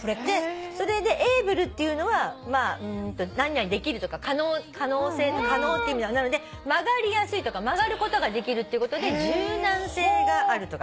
それでエイブルっていうのは何々できるとか可能って意味なので曲がりやすいとか曲がることができるってことで柔軟性があるとか。